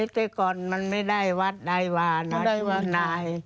เจ๊กรมันไม่ได้วัดใดว่านะที่นาย